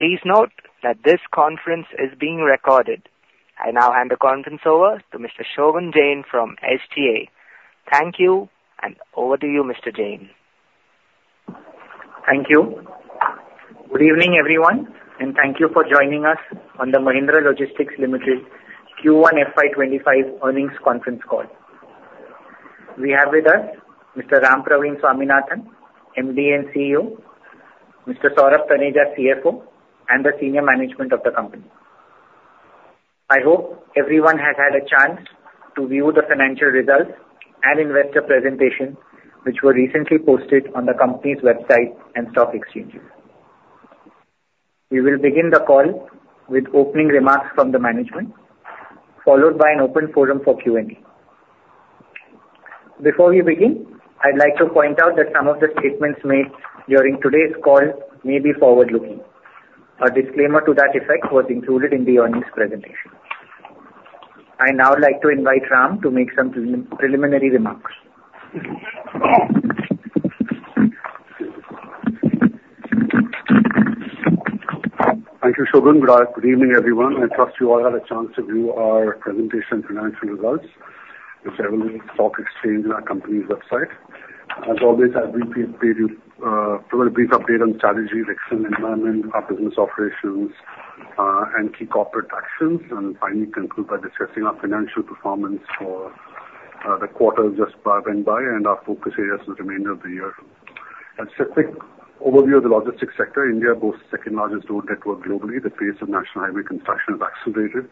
Please note that this conference is being recorded. I now hand the conference over to Mr. Shogun Jain from SGA. Thank you, and over to you, Mr. Jain. Thank you. Good evening, everyone, and thank you for joining us on the Mahindra Logistics Rampraveen Swaminathan, Q1 FY 2025 earnings conference call. We have with us Mr. Rampraveen Swaminathan, MD and CEO, Mr. Saurabh Taneja, CFO, and the senior management of the company. I hope everyone has had a chance to view the financial results and investor presentation, which were recently posted on the company's website and stock exchanges. We will begin the call with opening remarks from the management, followed by an open forum for Q&A. Before we begin, I'd like to point out that some of the statements made during today's call may be forward-looking. A disclaimer to that effect was included in the earnings presentation. I now like to invite Ram to make some preliminary remarks. Thank you, Shovan. Good evening, everyone. I trust you all had a chance to view our presentation on financial results, which I will link to the stock exchange and our company's website. As always, I'll briefly update you with a brief update on strategy, direction, and environment, our business operations, and key corporate actions. And finally, conclude by discussing our financial performance for the quarter just ended and our focus areas for the remainder of the year. A specific overview of the logistics sector: India boasts the second-largest road network globally. The pace of national highway construction has accelerated,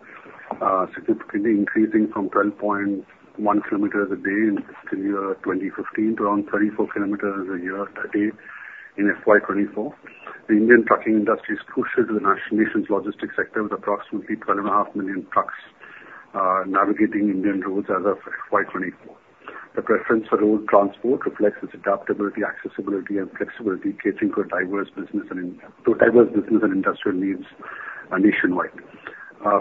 significantly increasing from 12.1 km a day in the year 2015 to around 34 km a day FY 2024. the Indian trucking industry is crucial to the nation's logistics sector, with approximately 12.5 million trucks navigating Indian roads as of FY 2024. The preference for road transport reflects its adaptability, accessibility, and flexibility, catering to diverse business and industrial needs nationwide.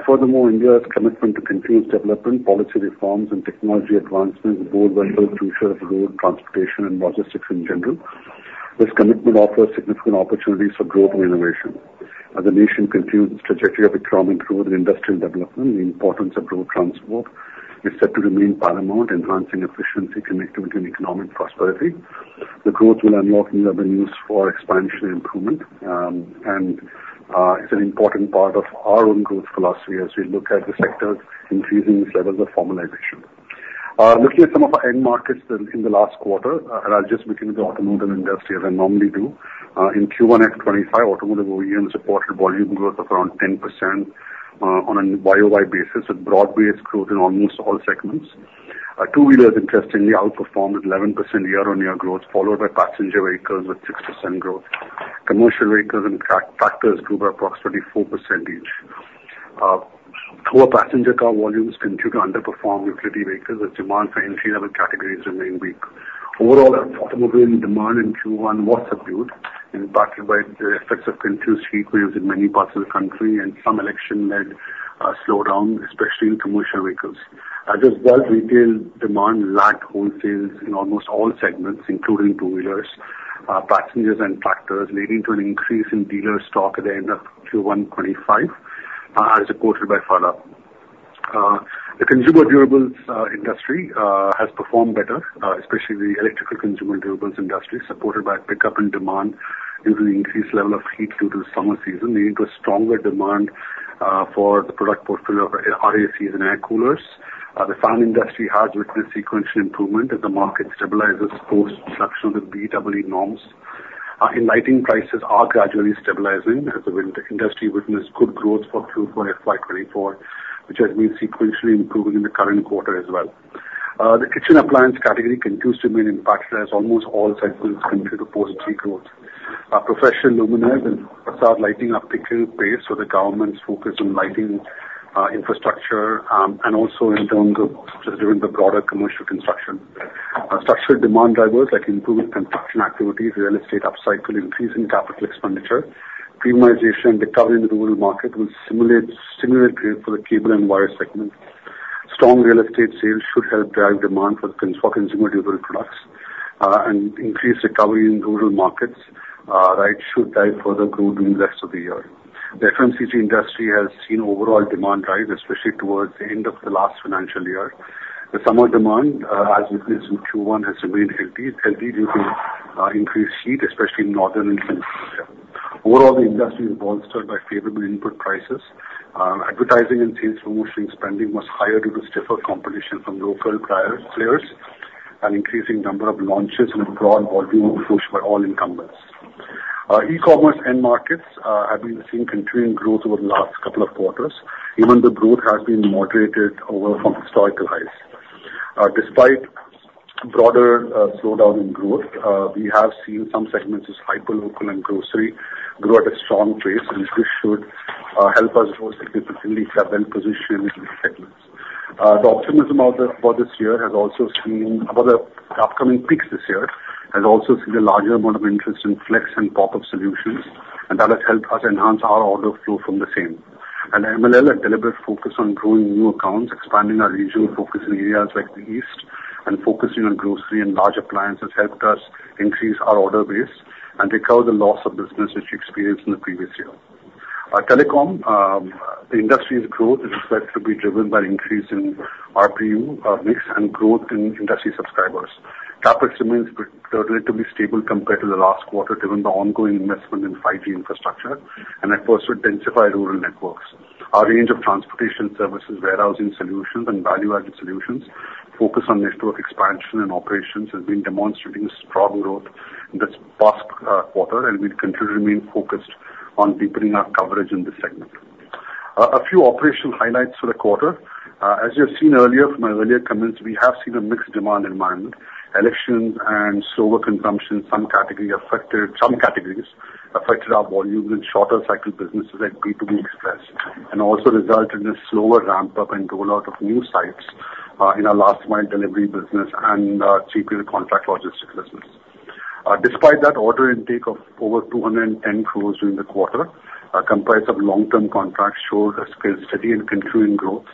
Furthermore, India's commitment to continuous development, policy reforms, and technology advancements both are crucial to road transportation and logistics in general. This commitment offers significant opportunities for growth and innovation. As the nation continues its trajectory of economic growth and industrial development, the importance of road transport is set to remain paramount, enhancing efficiency, connectivity, and economic prosperity. The growth will unlock new avenues for expansion and improvement, and it's an important part of our own growth philosophy as we look at the sectors increasing its levels of formalization. Looking at some of our end markets in the last quarter, and I'll just begin with the automotive industry as I normally do. In Q1 FY 2025, automotive OEMs reported volume growth of around 10% on a year-over-year basis, with broad-based growth in almost all segments. Two-wheelers, interestingly, outperformed with 11% year-over-year growth, followed by passenger vehicles with 6% growth. Commercial vehicles and tractors grew by approximately 4% each. Poor passenger car volumes continue to underperform utility vehicles, as demand for entry-level categories remained weak. Overall, automobile demand in Q1 was subdued, impacted by the effects of continuous heat waves in many parts of the country and some election-led slowdown, especially in commercial vehicles. As a result, retail demand lagged wholesales in almost all segments, including two-wheelers, passengers, and tractors, leading to an increase in dealer stock at the end of Q1 FY 2025, as reported by Saurabh. The consumer durables industry has performed better, especially the electrical consumer durables industry, supported by pickup in demand due to the increased level of heat due to the summer season, leading to a stronger demand for the product portfolio of RACs and air coolers. The farm industry has witnessed sequential improvement as the market stabilizes post-enactment of the BEE norms. Lighting prices are gradually stabilizing as the industry witnessed good growth for Q4 FY 2024, which has been sequentially improving in the current quarter as well. The kitchen appliance category continues to remain impacted, as almost all segments continue to post-peak growth. Professional luminaires and facade lighting are picking up pace with the government's focus on lighting infrastructure and also in terms of just given the broader commercial construction. Structural demand drivers, like improved construction activities, real estate upcycle, increase in capital expenditure, premiumization, and recovery in the rural market will stimulate growth for the cable and wire segment. Strong real estate sales should help drive demand for consumer durable products, and increased recovery in rural markets should drive further growth during the rest of the year. The FMCG industry has seen overall demand rise, especially towards the end of the last financial year. The summer demand, as witnessed in Q1, has remained healthy due to increased heat, especially in northern Indian region. Overall, the industry is bolstered by favorable input prices. Advertising and sales promotion spending was higher due to stiffer competition from local players and increasing number of launches and broad volume push by all incumbents. E-commerce end markets have been seeing continuing growth over the last couple of quarters, even though growth has been moderated over from historical highs. Despite broader slowdown in growth, we have seen some segments of hyperlocal and grocery grow at a strong pace, and this should help us grow significantly to a better position in these segments. The optimism for this year has also seen the upcoming peaks this year has also seen a larger amount of interest in flex and pop-up solutions, and that has helped us enhance our order flow from the same. MLL and deliberate focus on growing new accounts, expanding our regional focus in areas like the east, and focusing on grocery and large appliances has helped us increase our order base and recover the loss of business which we experienced in the previous year. Telecom, the industry's growth is expected to be driven by an increase in ARPU mix and growth in industry subscribers. Capex remains relatively stable compared to the last quarter, given the ongoing investment in 5G infrastructure, and that also densified rural networks. Our range of transportation services, warehousing solutions, and value-added solutions focused on network expansion and operations has been demonstrating strong growth this past quarter, and we continue to remain focused on deepening our coverage in this segment. A few operational highlights for the quarter. As you have seen earlier from my earlier comments, we have seen a mixed demand environment. Elections and slower consumption, some categories affected our volumes in shorter cycle businesses like B2B express, and also resulted in a slower ramp-up and rollout of new sites in our last-mile delivery business and 3PL contract logistics business. Despite that, order intake of over 210 crores during the quarter, comprised of long-term contracts, showed a steady and continuing growth,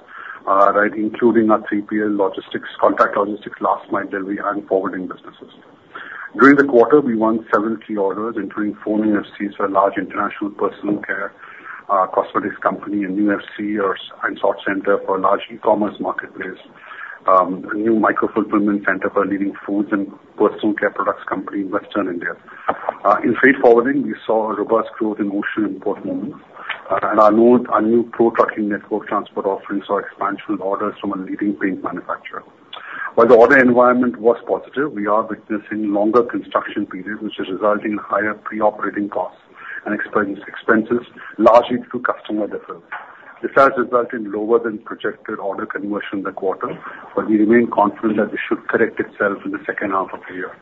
including our 3PL logistics, contract logistics, last-mile delivery, and forwarding businesses. During the quarter, we won several key orders, including four new FCs for a large international personal care cosmetics company and new FC and sort center for a large e-commerce marketplace, a new micro-fulfillment center for a leading foods and personal care products company in Western India. In freight forwarding, we saw a robust growth in ocean and port movements, and our new pro-trucking network transport offering saw expansion orders from a leading paint manufacturer. While the order environment was positive, we are witnessing longer construction periods, which is resulting in higher pre-operating costs and expenses, largely due to customer difference. This has resulted in lower than projected order conversion in the quarter, but we remain confident that this should correct itself in the second half of the year.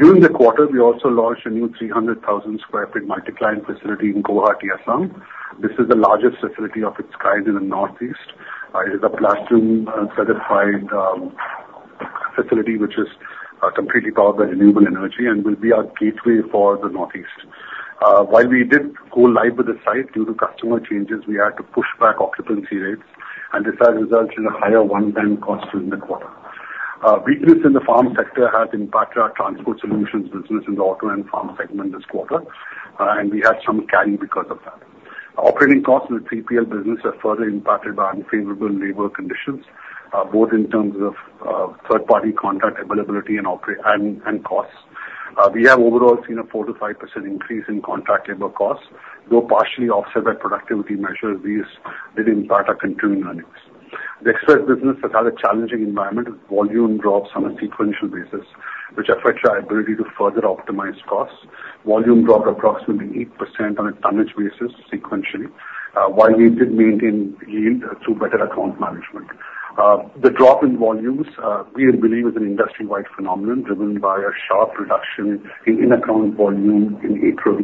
During the quarter, we also launched a new 300,000 sq ft multi-client facility in Guwahati, Assam. This is the largest facility of its kind in the Northeast. It is a platinum-certified facility, which is completely powered by renewable energy and will be our gateway for the Northeast. While we did go live with the site due to customer changes, we had to push back occupancy rates, and this has resulted in a higher one-time cost during the quarter. Weakness in the farm sector has impacted our transport solutions business in the auto and farm segment this quarter, and we had some carry because of that. Operating costs in the 3PL business are further impacted by unfavorable labor conditions, both in terms of third-party contract availability and costs. We have overall seen a 4%-5% increase in contract labor costs, though partially offset by productivity measures. These did impact our continuing earnings. The express business has had a challenging environment with volume drops on a sequential basis, which affects our ability to further optimize costs. Volume dropped approximately 8% on a tonnage basis sequentially, while we did maintain yield through better account management. The drop in volumes, we believe, is an industry-wide phenomenon driven by a sharp reduction in in-account volume in April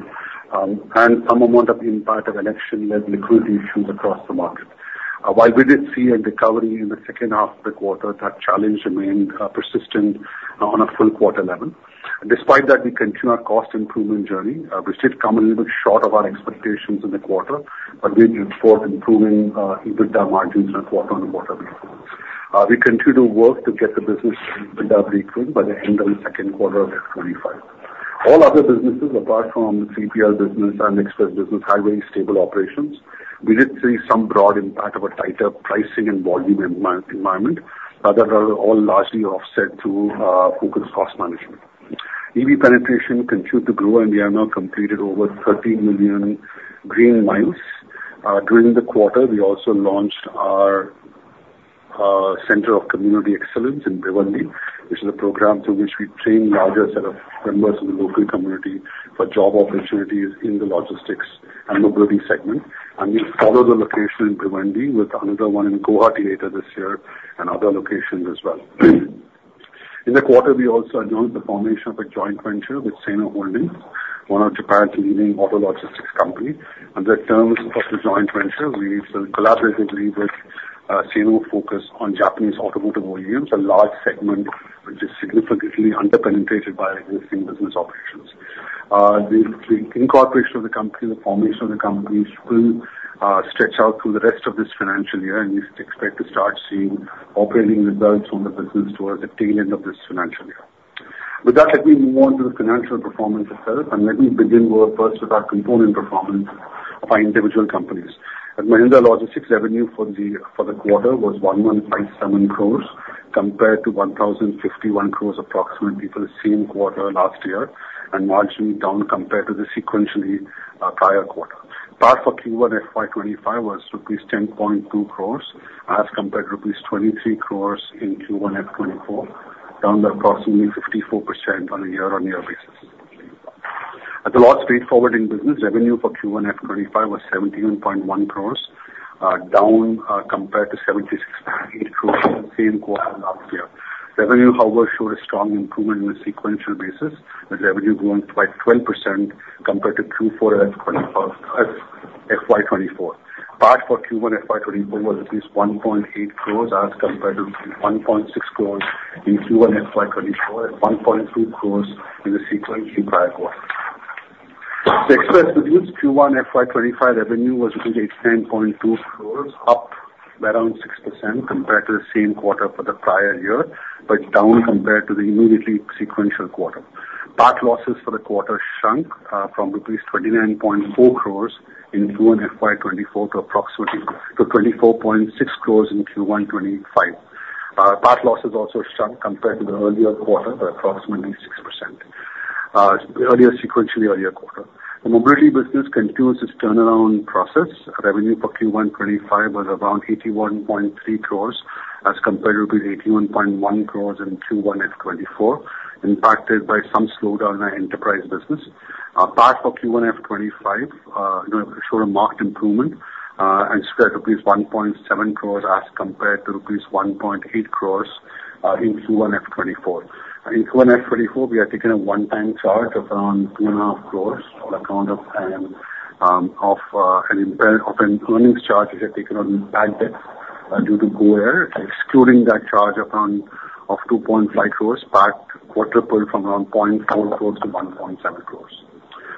and some amount of impact of election-led liquidity issues across the market. While we did see a recovery in the second half of the quarter, that challenge remained persistent on a full quarter level. Despite that, we continue our cost improvement journey. We did come a little bit short of our expectations in the quarter, but we did report improving EBITDA margins on a quarter-on-quarter basis. We continue to work to get the business to EBITDA breakeven by the end of the second quarter of FY 2025. All other businesses, apart from the 3PL business and express business, had very stable operations. We did see some broad impact of a tighter pricing and volume environment, but that was all largely offset through focused cost management. EV penetration continued to grow, and we have now completed over 13 million green miles during the quarter. We also launched our Centre of Community Excellence in Bhiwandi, which is a program through which we train a larger set of members of the local community for job opportunities in the logistics and mobility segment. We follow the location in Bhiwandi with another one in Guwahati later this year and other locations as well. In the quarter, we also announced the formation of a joint venture with SENKO Holdings, one of Japan's leading auto logistics companies. Under terms of the joint venture, we will collaboratively with SENKO focus on Japanese automotive OEMs, a large segment which is significantly underpenetrated by existing business operations. The incorporation of the company, the formation of the company, will stretch out through the rest of this financial year, and we expect to start seeing operating results from the business towards the tail end of this financial year. With that, let me move on to the financial performance itself, and let me begin first with our component performance by individual companies. At Mahindra Logistics, revenue for the quarter was 1,157 crores compared to 1,051 crores approximately for the same quarter last year, and marginally down compared to the sequentially prior quarter. PAT for Q1 FY 2025 was rupees 10.2 crores as compared to rupees 23 crores in Q1 FY 2024, down by approximately 54% on a year-on-year basis. In the express business, revenue for Q1 FY 2025 was 71.1 crores, down compared to 76.8 crores in the same quarter last year. Revenue, however, showed a strong improvement on a sequential basis, with revenue growing by 12% compared to Q4 FY 2024. PAT for Q1 FY 2025 was 1.8 crores as compared to 1.6 crores in Q1 FY 2024 and 1.2 crores in the sequentially prior quarter. The express business Q1 FY 2025 revenue was 10.2 crores, up by around 6% compared to the same quarter for the prior year, but down compared to the immediately sequential quarter. PAT losses for the quarter shrunk from rupees 29.4 crores in Q1 FY 2024 to approximately 24.6 crores in Q1 FY 2025. PAT losses also shrunk compared to the earlier quarter by approximately 6%. The mobility business continues its turnaround process. Revenue for Q1 FY 2025 was around 81.3 crores as compared to 81.1 crores in Q1 FY 2024, impacted by some slowdown in enterprise business. PAT for Q1 FY 2025 showed a marked improvement and stood at rupees 1.7 crores as compared to rupees 1.8 crores in Q1 FY 2024. In Q1 FY 2024, we had taken a one-time charge of around 2.5 crores on account of an earnings charge we had taken on bad debt due to Go First, excluding that charge of around 2.5 crores, PBT quadrupled from around 0.4 crores to 1.7 crores.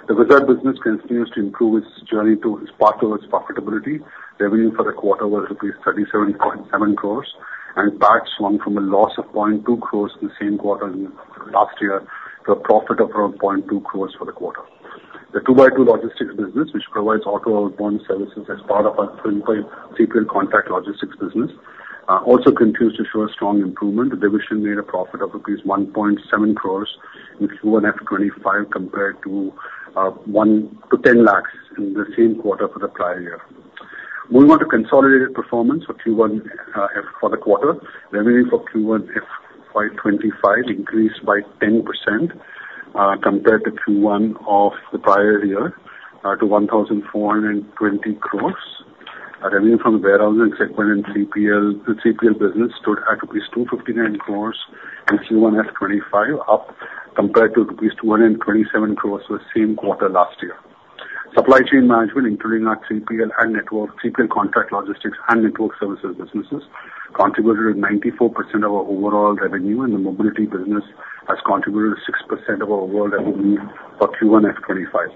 The express business continues to improve its journey to its path towards profitability. Revenue for the quarter was rupees 37.7 crores, and PBT swung from a loss of 0.2 crores in the same quarter last year to a profit of around 0.2 crores for the quarter. The 2x2 Logistics business, which provides auto outbound services as part of our 3PL contract logistics business, also continues to show a strong improvement. The division made a profit of rupees 1.7 crores in Q1 FY 2025 compared to 1 lakhs-10 lakhs in the same quarter for the prior year. Moving on to consolidated performance for Q1 FY 2024, revenue for Q1 FY 2025 increased by 10% compared to Q1 of the prior year to 1,420 crores. Revenue from the warehousing segment and 3PL business stood at rupees 259 crores in Q1 FY 2025, up compared to rupees 227 crores for the same quarter last year. Supply chain management, including our 3PL and network 3PL contract logistics and network services businesses, contributed to 94% of our overall revenue, and the mobility business has contributed to 6% of our overall revenue for Q1 FY 2025.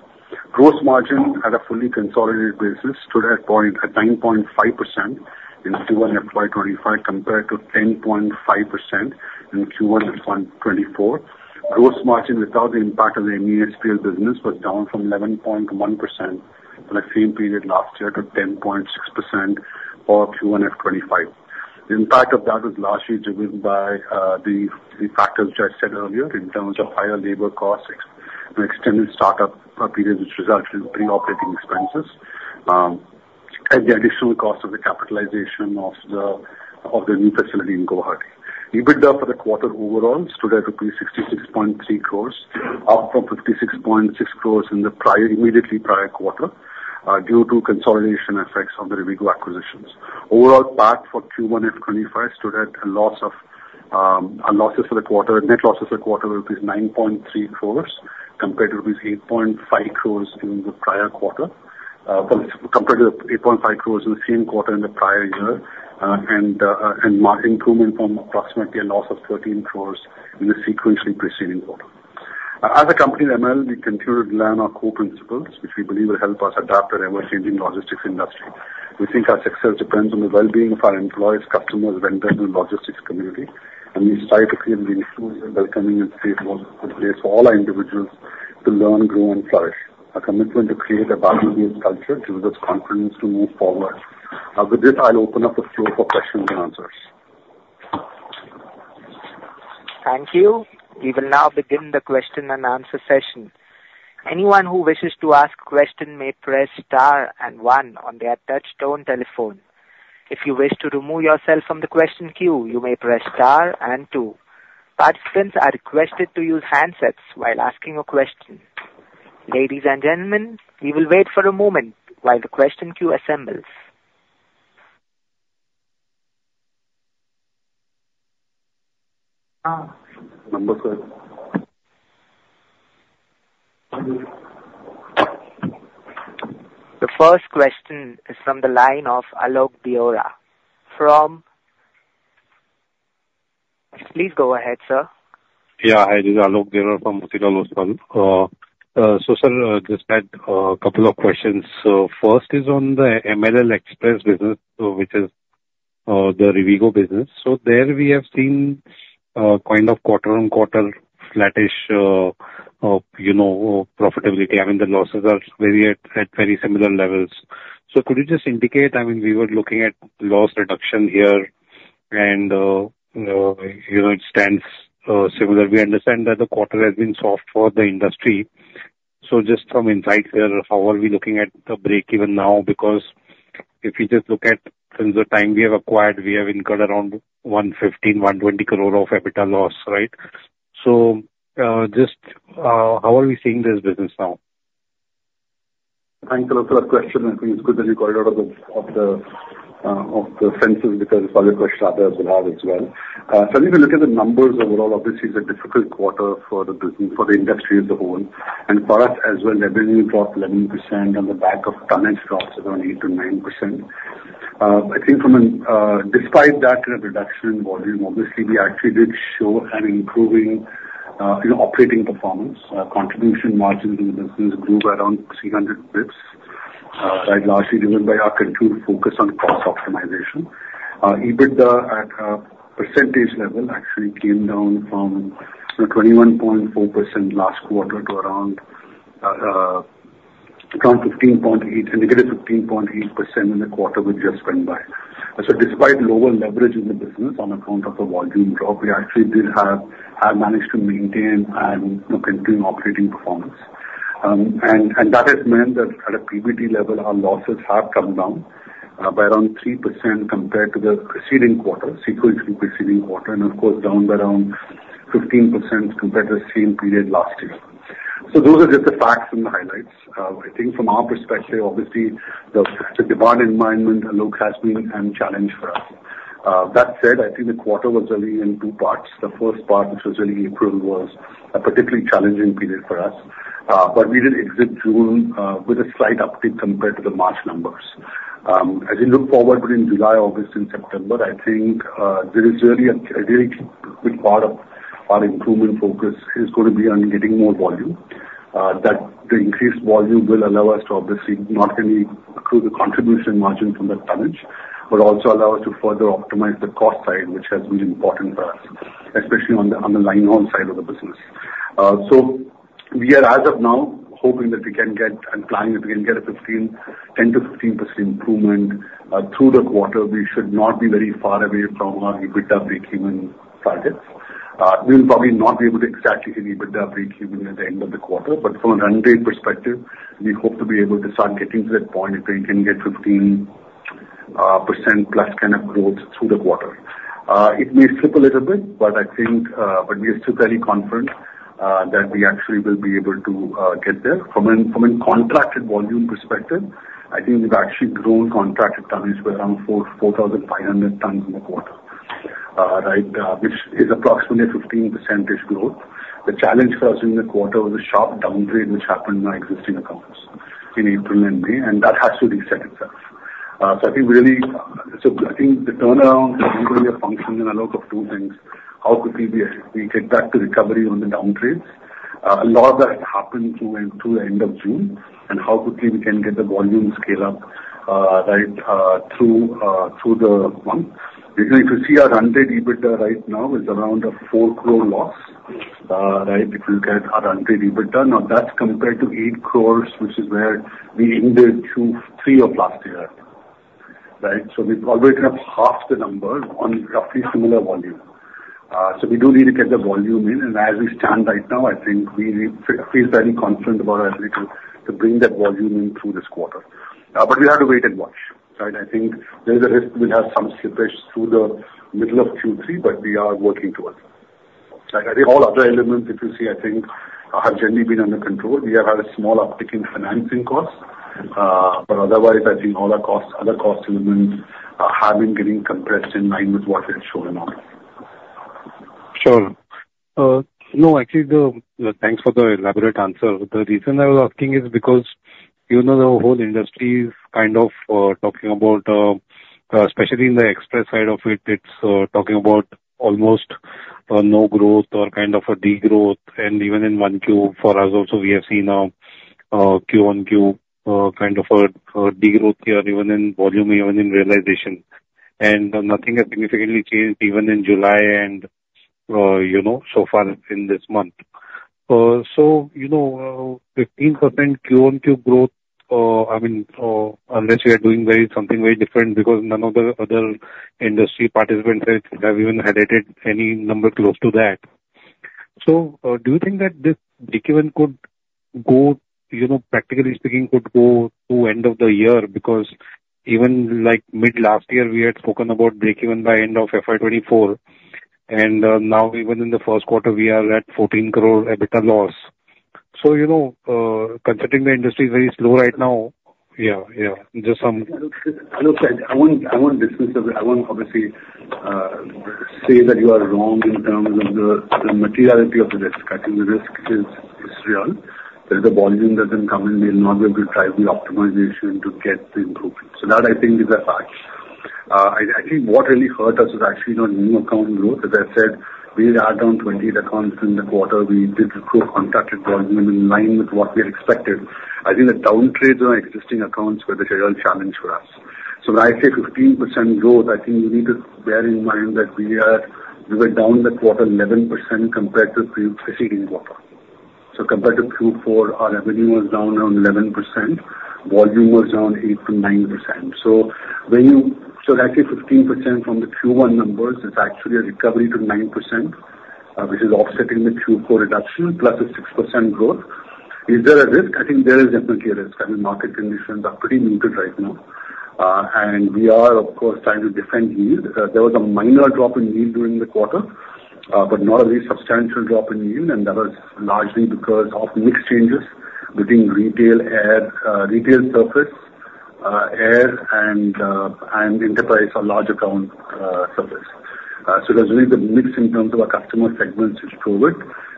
Gross margin at a fully consolidated basis stood at 9.5% in Q1 FY 2025 compared to 10.5% in Q1 FY 2024. Gross margin without the impact of the MESPL business was down from 11.1% for the same period last year to 10.6% for Q1 FY 2025. The impact of that was largely driven by the factors which I said earlier in terms of higher labor costs and extended startup period, which resulted in pre-operating expenses and the additional cost of the capitalization of the new facility in Guwahati. EBITDA for the quarter overall stood at 66.3 crores, up from 56.6 crores in the immediately prior quarter due to consolidation effects of the Rivigo acquisitions. Overall, PBT for Q1 FY 2025 stood at losses for the quarter, net losses for the quarter were rupees 9.3 crores compared to rupees 8.5 crores in the prior quarter, compared to 8.5 crores in the same quarter in the prior year, and improvement from approximately a loss of 13 crores in the sequentially preceding quarter. As a company of ML, we continue to learn our core principles, which we believe will help us adapt to an ever-changing logistics industry. We think our success depends on the well-being of our employees, customers, vendors, and the logistics community, and we strive to create an inclusive, welcoming, and safe workplace for all our individuals to learn, grow, and flourish. Our commitment to create a value-based culture gives us confidence to move forward. With this, I'll open up the floor for questions and answers. Thank you. We will now begin the question and answer session. Anyone who wishes to ask a question may press star and one on their touch-tone telephone. If you wish to remove yourself from the question queue, you may press star and two. Participants are requested to use handsets while asking a question. Ladies and gentlemen, we will wait for a moment while the question queue assembles. Number four. The first question is from the line of Alok Deora. From please go ahead, sir. Yeah, hi there. Alok Deora from Motilal Oswal. So sir, just had a couple of questions. So first is on the MLL express business, which is the Rivigo business. So there we have seen kind of quarter-on-quarter flattish profitability. I mean, the losses are at very similar levels. So could you just indicate, I mean, we were looking at loss reduction here, and it stands similar. We understand that the quarter has been soft for the industry. So just from inside here, how are we looking at the break even now? Because if you just look at the time we have acquired, we have incurred around 115 crore-120 crore of EBITDA loss, right? So just how are we seeing this business now? Thank you. That's a good question. I think it's good that you covered a lot of the aspects because it's probably a question others will have as well. So if you look at the numbers overall, obviously it's a difficult quarter for the business, for the industry as a whole. And for us as well, revenue dropped 11% on the back of tonnage drops around 8%-9%. I think despite that reduction in volume, obviously we actually did show an improving operating performance. Contribution margins in the business grew by around 300 bips, largely driven by our continued focus on cost optimization. EBITDA at a percentage level actually came down from 21.4% last quarter to around -15.8% in the quarter we just went by. So despite lower leverage in the business on account of the volume drop, we actually did have managed to maintain and continue operating performance. And that has meant that at a PBT level, our losses have come down by around 3% compared to the preceding quarter, sequentially preceding quarter, and of course down by around 15% compared to the same period last year. So those are just the facts and the highlights. I think from our perspective, obviously the demand environment alone has been a challenge for us. That said, I think the quarter was really in two parts. The first part, which was really April, was a particularly challenging period for us, but we did exit June with a slight uptick compared to the March numbers. As we look forward between July, August, and September, I think there is really a really good part of our improvement focus is going to be on getting more volume. That increased volume will allow us to obviously not only accrue the contribution margin from the tonnage, but also allow us to further optimize the cost side, which has been important for us, especially on the line-haul side of the business. So we are as of now hoping that we can get and planning that we can get a 10%-15% improvement through the quarter. We should not be very far away from our EBITDA break-even targets. We will probably not be able to exactly hit EBITDA break-even at the end of the quarter, but from a run rate perspective, we hope to be able to start getting to that point if we can get 15%+ kind of growth through the quarter. It may slip a little bit, but I think we are still fairly confident that we actually will be able to get there. From a contracted volume perspective, I think we've actually grown contracted tonnage by around 4,500 tons in the quarter, which is approximately a 15%-ish growth. The challenge for us in the quarter was a sharp downgrade, which happened in our existing accounts in April and May, and that has to reset itself. So I think really the turnaround is really a function of two things. How quickly we get back to recovery on the downgrades. A lot of that happened through the end of June, and how quickly we can get the volume scale up through the month. If you see our run rate EBITDA right now is around a 4 crore loss. If you look at our run rate EBITDA, now that's compared to 8 crores, which is where we ended Q3 of last year. So we've already gone up half the number on roughly similar volume. So we do need to get the volume in, and as we stand right now, I think we feel fairly confident about our ability to bring that volume in through this quarter. But we have to wait and watch. I think there is a risk we'll have some slippage through the middle of Q3, but we are working towards it. I think all other elements, if you see, I think have generally been under control. We have had a small uptick in financing costs, but otherwise, I think all our other cost elements have been getting compressed in line with what we've shown now. Sure. No, actually, thanks for the elaborate answer. The reason I was asking is because the whole industry is kind of talking about, especially in the express side of it, it's talking about almost no growth or kind of a degrowth. And even in 1Q, for us also, we have seen a Q1Q kind of a degrowth here, even in volume, even in realization. And nothing has significantly changed even in July and so far in this month. So 15% Q1Q growth, I mean, unless we are doing something very different because none of the other industry participants have even headed any number close to that. So do you think that this break-even could go, practically speaking, could go to end of the year? Because even mid last year, we had spoken about break-even by end of FY 2024, and now even in the first quarter, we are at 14 crore EBITDA loss. So considering the industry is very slow right now, yeah, yeah, just some. Look, I won't dismiss the risk. I won't obviously say that you are wrong in terms of the materiality of the risk. I think the risk is real. There is a volume that has been coming. We will not be able to drive the optimization to get the improvement. So that, I think, is a fact. I think what really hurt us was actually not new account growth. As I said, we are down 28 accounts in the quarter. We did grow contracted volume in line with what we had expected. I think the down trades on our existing accounts were the real challenge for us. So when I say 15% growth, I think you need to bear in mind that we were down the quarter 11% compared to the preceding quarter. So compared to Q4, our revenue was down around 11%. Volume was down 8%-9%. So actually, 15% from the Q1 numbers, it's actually a recovery to 9%, which is offsetting the Q4 reduction plus the 6% growth. Is there a risk? I think there is definitely a risk. I mean, market conditions are pretty muted right now, and we are, of course, trying to defend yield. There was a minor drop in yield during the quarter, but not a very substantial drop in yield, and that was largely because of mixed changes between retail surface, air, and enterprise or large account surface. So there's really the mix in terms of our customer segments which drove it.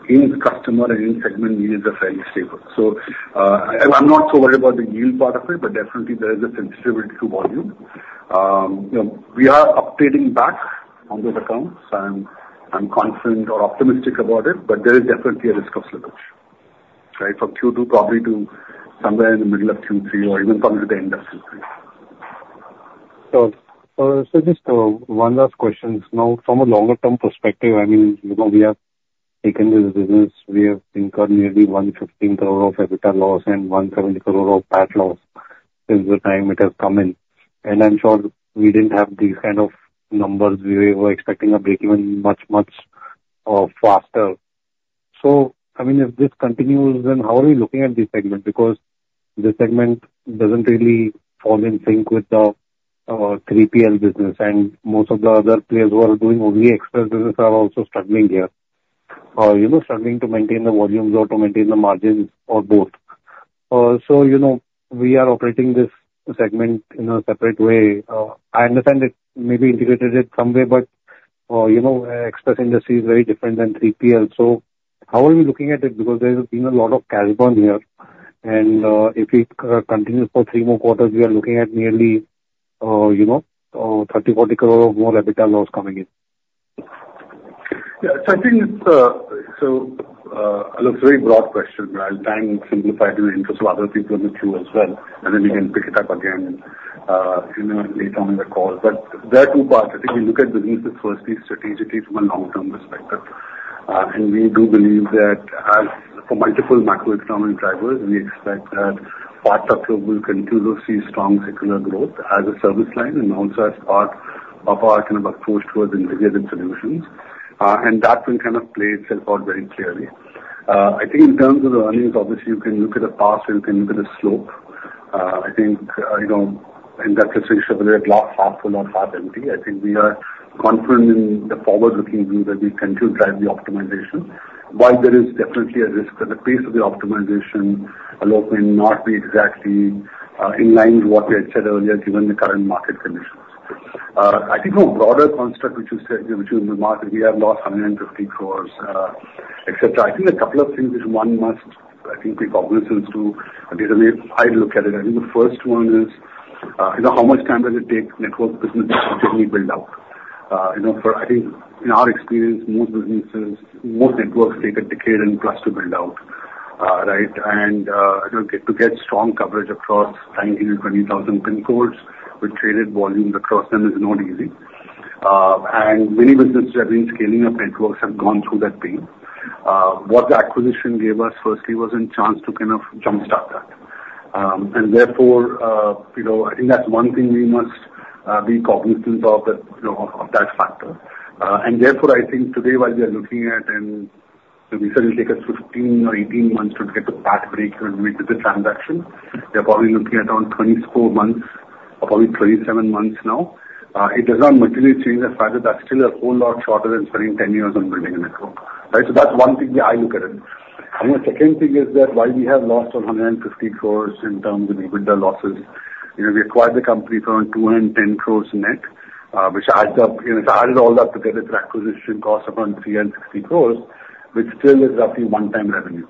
In customer and in segment, yields are fairly stable. So I'm not so worried about the yield part of it, but definitely there is a sensitivity to volume. We are updating back on those accounts. I'm confident or optimistic about it, but there is definitely a risk of slippage from Q2 probably to somewhere in the middle of Q3 or even probably to the end of Q3. Just one last question. Now, from a longer-term perspective, I mean, we have taken this business. We have incurred nearly 115 crore of EBITDA loss and 170 crore of PAT loss since the time it has come in. I'm sure we didn't have these kind of numbers. We were expecting a break-even much, much faster. I mean, if this continues, then how are we looking at this segment? Because the segment doesn't really fall in sync with the 3PL business, and most of the other players who are doing only express business are also struggling here, struggling to maintain the volumes or to maintain the margins or both. We are operating this segment in a separate way. I understand it may be integrated in some way, but express industry is very different than 3PL. How are we looking at it? Because there has been a lot of carry-on here, and if it continues for three more quarters, we are looking at nearly 30 crore-40 crore of more EBITDA loss coming in. Yeah. So I think it's a very broad question, but I'll try and simplify it in the interest of other people in the queue as well, and then we can pick it up again later on in the call. But there are two parts. I think we look at businesses firstly strategically from a long-term perspective, and we do believe that for multiple macroeconomic drivers, we expect that part of global continues to see strong secular growth as a service line and also as part of our kind of approach towards integrated solutions. And that will kind of play itself out very clearly. I think in terms of the earnings, obviously you can look at a path or you can look at a slope. I think in that case, we should have a glass half full or half empty. I think we are confident in the forward-looking view that we continue to drive the optimization, but there is definitely a risk that the pace of the optimization alone may not be exactly in line with what we had said earlier given the current market conditions. I think from a broader construct, which is the market, we have lost 150 crore, etc. I think a couple of things which one must, I think, be cognizant to. I look at it. I think the first one is how much time does it take network businesses to generally build out? I think in our experience, most businesses, most networks take a decade and plus to build out, and to get strong coverage across 10,000, 20,000 PIN codes with traded volume across them is not easy. Many businesses who have been scaling up networks have gone through that pain. What the acquisition gave us firstly was a chance to kind of jump-start that. Therefore, I think that's one thing we must be cognizant of that factor. Therefore, I think today while we are looking at, and we said it will take us 15 or 18 months to get the PAT break even with the transaction, we are probably looking at around 24 months or probably 37 months now. It does not materially change the fact that that's still a whole lot shorter than spending 10 years on building a network. So that's one thing I look at it. I think the second thing is that while we have lost around 150 crores in terms of EBITDA losses, we acquired the company for around 210 crores net, which adds up. If I added all that together, the acquisition cost of around 360 crores, which still is roughly 1x revenue,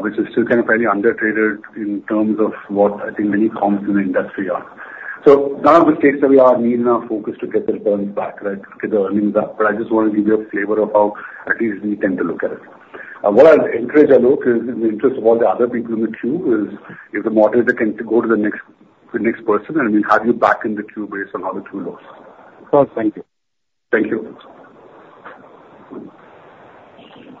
which is still kind of fairly undertraded in terms of what I think many comps in the industry are. So none of the stakes that we are needing our focus to get the returns back, get the earnings up, but I just want to give you a flavor of how at least we tend to look at it. What I encourage a look is in the interest of all the other people in the queue is if the moderator can go to the next person and we'll have you back in the queue based on all the two laws. Of course. Thank you. Thank you.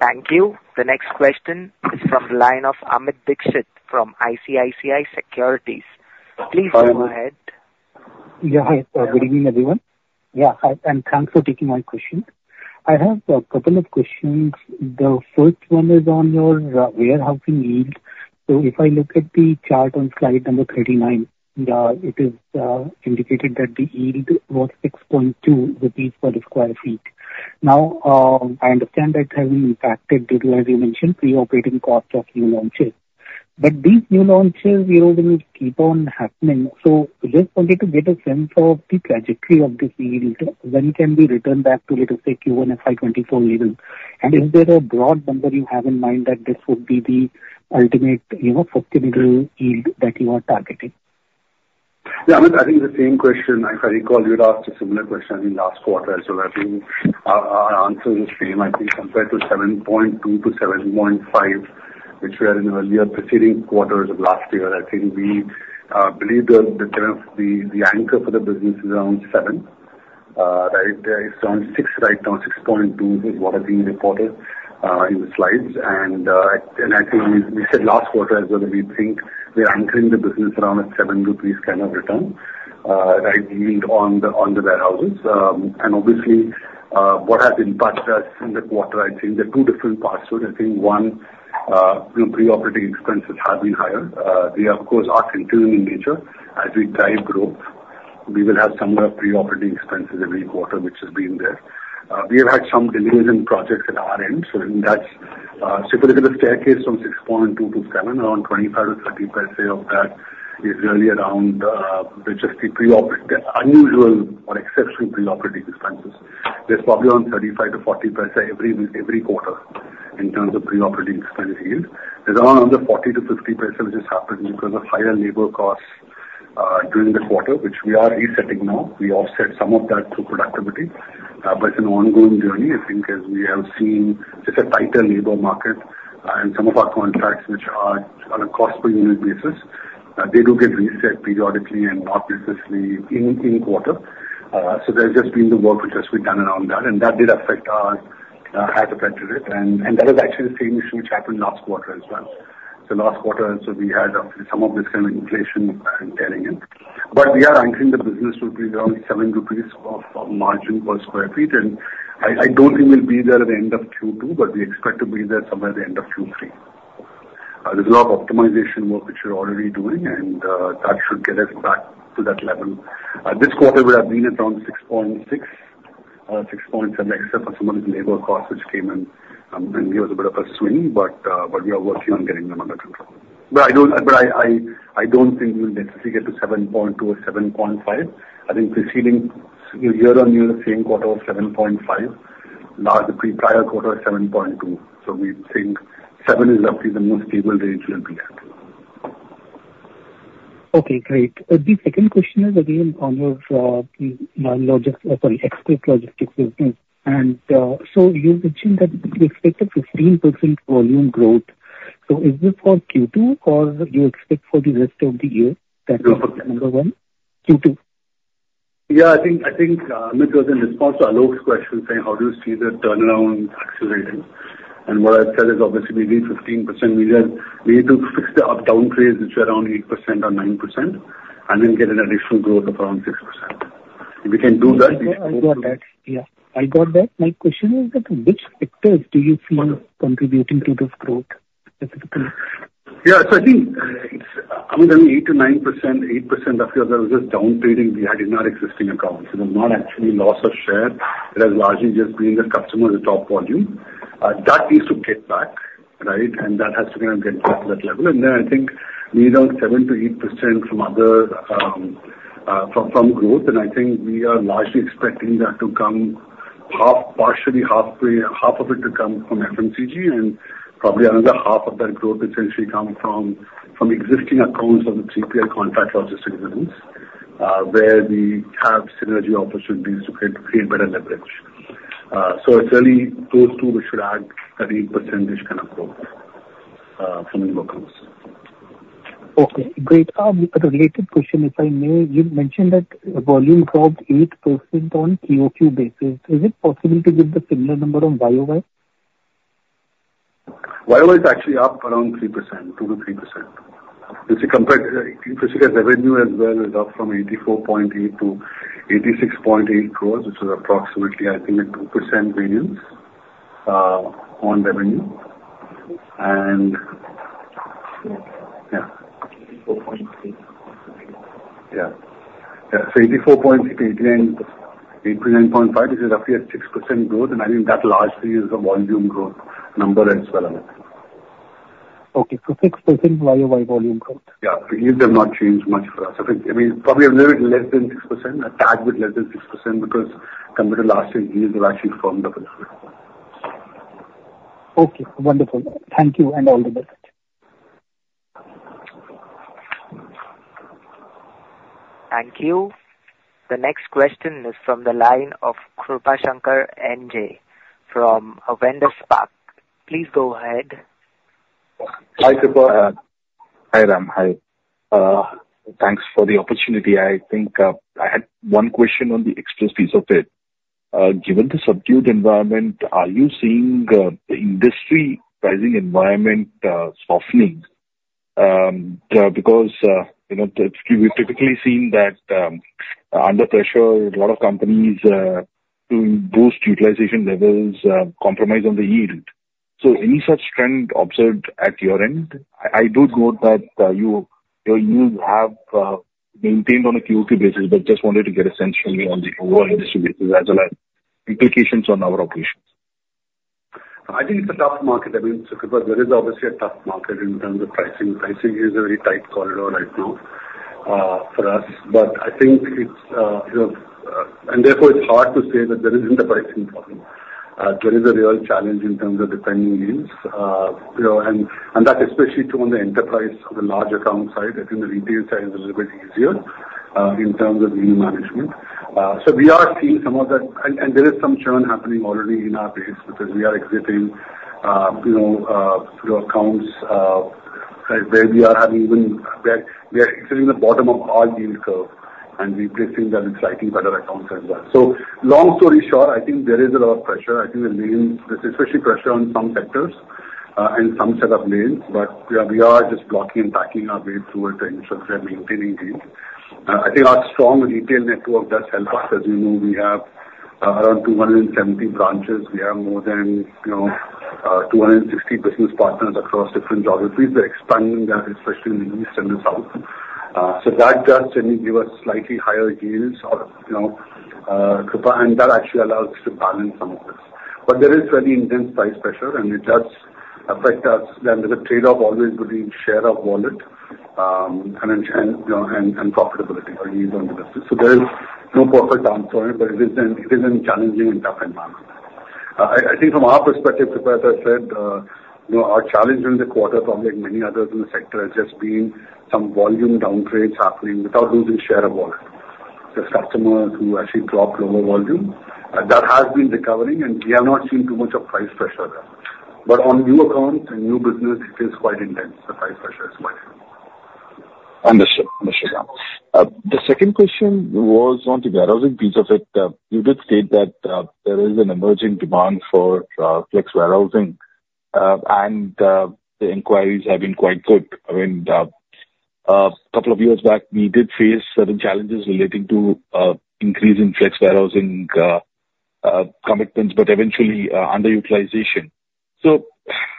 Thank you. The next question is from the line of Amit Dixit from ICICI Securities. Please go ahead. Yeah. Hi. Good evening, everyone. Yeah. And thanks for taking my question. I have a couple of questions. The first one is on your warehousing yield. So if I look at the chart on slide number 39, it is indicated that the yield was 6.2 rupees per sq ft. Now, I understand that having impacted, as you mentioned, pre-operating cost of new launches. But these new launches, they will keep on happening. So just wanted to get a sense of the trajectory of this yield when it can be returned back to, let us say, FY 2024 level. And is there a broad number you have in mind that this would be the ultimate forcing yield that you are targeting? Yeah. I think the same question, if I recall, you had asked a similar question in last quarter. So I think our answer is the same. I think compared to 7.2-7.5, which we had in earlier preceding quarters of last year, I think we believe the kind of the anchor for the business is around 7. It's around 6 right now. 6.2 is what I've been reported in the slides. And I think we said last quarter as well that we think we're anchoring the business around a 7 kind of return on the warehouses. And obviously, what has impacted us in the quarter, I think there are two different parts to it. I think one, pre-operating expenses have been higher. They, of course, are continuing in nature. As we drive growth, we will have some pre-operating expenses every quarter, which has been there. We have had some delays in projects at our end. So if you look at the staircase from 6.2 to 7, around 25%-30% of that is really around, which is the unusual or exceptional pre-operating expenses. There's probably around 35%-40% every quarter in terms of pre-operating expense yield. There's around another 40%-50% which has happened because of higher labor costs during the quarter, which we are resetting now. We offset some of that through productivity, but it's an ongoing journey. I think as we have seen just a tighter labor market and some of our contracts, which are on a cost per unit basis, they do get reset periodically and not necessarily in quarter. So there's just been the work which has been done around that, and that did affect us as a predictor. That is actually the same issue which happened last quarter as well. So last quarter, so we had some of this kind of inflation tearing in. But we are anchoring the business to be around 7 rupees of margin per sq ft. And I don't think we'll be there at the end of Q2, but we expect to be there somewhere at the end of Q3. There's a lot of optimization work which we're already doing, and that should get us back to that level. This quarter would have been around 6.6-6.7 except for some of these labor costs which came and gave us a bit of a swing, but we are working on getting them under control. But I don't think we'll necessarily get to 7.2 or 7.5. I think preceding year-on-year, the same quarter was 7.5. The prior quarter was 7.2. We think 7 is roughly the most stable range we'll be at. Okay. Great. The second question is again on your logistics, sorry, express logistics business. And so you mentioned that you expected 15% volume growth. So is this for Q2 or you expect for the rest of the year that number one? Q2. Yeah. I think Amit was in response to Alok's question saying, "How do you see the turnaround accelerating?" And what I've said is obviously we need 15%. We need to fix the updown trades which are around 8% or 9% and then get an additional growth of around 6%. If we can do that. Yeah. I got that. Yeah. I got that. My question is that which factors do you see contributing to this growth specifically? Yeah. So I think, I mean, 8%-9%, 8% of your results is down trading we had in our existing accounts. It was not actually loss of share. It has largely just been the customer at the top volume. That needs to get back, and that has to kind of get back to that level. And then I think we need around 7%-8% from growth. And I think we are largely expecting that to come half, partially half of it to come from FMCG, and probably another half of that growth is essentially coming from existing accounts of the 3PL contract logistics business where we have synergy opportunities to create better leverage. So it's really those two which should add an 8%-ish kind of growth from the locals. Okay. Great. A related question, if I may. You mentioned that volume dropped 8% on Q2 basis. Is it possible to get the similar number on YOY? YOY is actually up around 2%-3%. If you compare revenue as well, it's up from 84.8 crores to 86.8 crores, which is approximately, I think, a 2% variance on revenue. And yeah. Yeah. So 84.8 crores to 89.5 crores is roughly a 6% growth. And I think that largely is a volume growth number as well. Okay. So 6% YOY volume growth. Yeah. Yields have not changed much for us. I mean, probably a little bit less than 6%, a tad with less than 6% because compared to last year, yields have actually firmed up a little bit. Okay. Wonderful. Thank you and all the best. Thank you. The next question is from the line of Krupashankar NJ from Avendus Spark. Please go ahead. Hi, Krupa. Hi, Ram. Hi. Thanks for the opportunity. I think I had one question on the express piece of it. Given the subdued environment, are you seeing the industry pricing environment softening? Because we've typically seen that under pressure, a lot of companies doing boost utilization levels compromise on the yield. So any such trend observed at your end? I do note that your yields have maintained on a Q2 basis, but just wanted to get a sense from you on the overall industry basis as well as implications on our operations. I think it's a tough market. I mean, Krupa, there is obviously a tough market in terms of pricing. Pricing is a very tight corridor right now for us. But I think, and therefore, it's hard to say that there isn't a pricing problem. There is a real challenge in terms of declining yields. And that's especially true on the enterprise on the large account side. I think the retail side is a little bit easier in terms of yield management. So we are seeing some of that. And there is some churn happening already in our base because we are exiting those accounts where we are exiting the bottom of our yield curve, and we're placing them in slightly better accounts as well. So long story short, I think there is a lot of pressure. I think there's mainly especially pressure on some sectors and some set of lanes, but we are just blocking and packing our way through it to ensure we are maintaining yield. I think our strong retail network does help us. As you know, we have around 270 branches. We have more than 260 business partners across different geographies. We're expanding that, especially in the east and the south. So that does certainly give us slightly higher yields, Krupa, and that actually allows us to balance some of this. But there is fairly intense price pressure, and it does affect us. Then there's a trade-off always between share of wallet and profitability or yield on the business. So there is no perfect answer here, but it is a challenging and tough environment. I think from our perspective, Krupa, as I said, our challenge in the quarter, probably like many others in the sector, has just been some volume down trades happening without losing share of wallet. There's customers who actually dropped lower volume. That has been recovering, and we have not seen too much of price pressure there. But on new accounts and new business, it is quite intense. The price pressure is quite intense. Understood. Understood, Ram. The second question was onto warehousing piece of it. You did state that there is an emerging demand for flex warehousing, and the inquiries have been quite good. I mean, a couple of years back, we did face certain challenges relating to increasing flex warehousing commitments, but eventually underutilization. So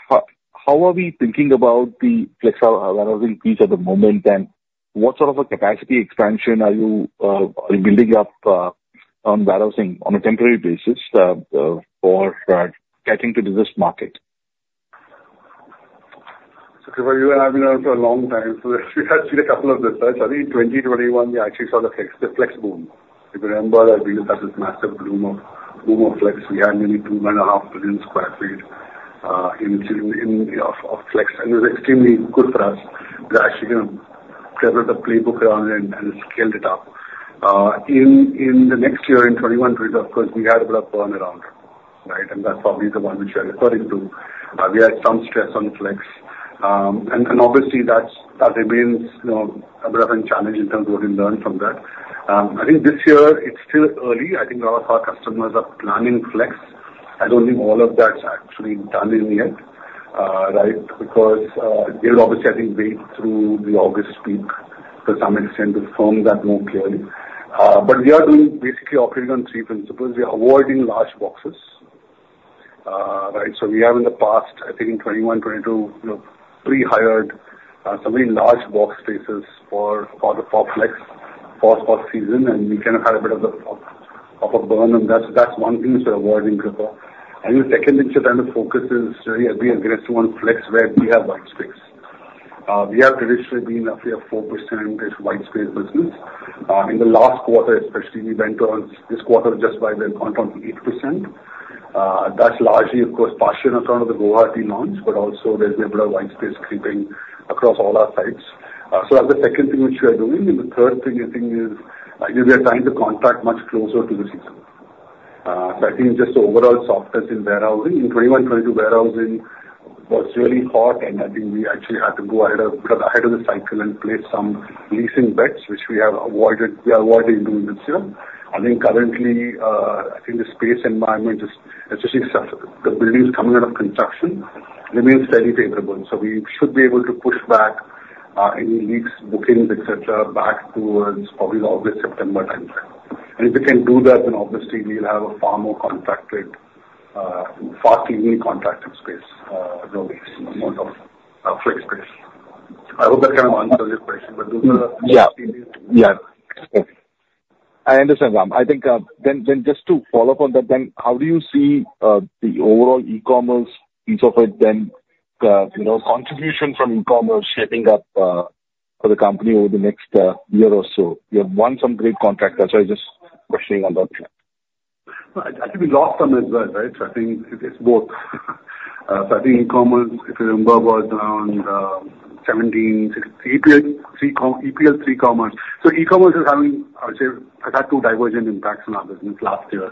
how are we thinking about the flex warehousing piece at the moment, and what sort of a capacity expansion are you building up on warehousing on a temporary basis for getting to this market? So Krupa, you have been around for a long time, so we have seen a couple of the slides. I think in 2021, we actually saw the flex boom. If you remember, we had this massive boom of flex. We had nearly 2.5 billion sq ft of flex, and it was extremely good for us. We actually kind of prepared the playbook around it and scaled it up. In the next year, in 2021, of course, we had a bit of burn around, and that's probably the one which you're referring to. We had some stress on flex, and obviously, that remains a bit of a challenge in terms of what we learned from that. I think this year, it's still early. I think a lot of our customers are planning flex. I don't think all of that's actually done in yet, because they would obviously, I think, wait through the August peak to some extent to firm that more clearly. But we are doing basically operating on three principles. We are avoiding large boxes. So we have in the past, I think in 2021, 2022, pre-hired some large box spaces for flex for the season, and we kind of had a bit of a burn. And that's one thing we're avoiding, Krupa. I think the second thing to kind of focus is we are aggressive on flex where we have white space. We have traditionally been roughly a 4% white space business. In the last quarter, especially, we went on this quarter just by went on to 8%. That's largely, of course, partially on account of the Guwahati launch, but also there's been a bit of white space creeping across all our sites. So that's the second thing which we are doing. And the third thing I think is we are trying to contract much closer to the season. So I think just the overall softness in warehousing. In 2021, 2022, warehousing was really hot, and I think we actually had to go ahead of the cycle and place some leasing bets, which we have avoided doing this year. I think currently, I think the space environment, especially the buildings coming out of construction, remains steadily favorable. So we should be able to push back any leases, bookings, etc., back towards probably the August, September timeframe. If we can do that, then obviously, we'll have a far more contracted, far cleaner contracted space than the most of flex space. I hope that kind of answers your question, but those are the things we need to do. Yeah. Yeah. I understand, Ram. I think then just to follow up on that, then how do you see the overall e-commerce piece of it, then contribution from e-commerce shaping up for the company over the next year or so? You have won some great contracts. That's why I'm just questioning on that. I think we lost some as well, right? So I think it's both. So I think e-commerce, if you remember, was around 17, 18, EPL, 3Commerce. So e-commerce is having, I would say, had two divergent impacts on our business last year.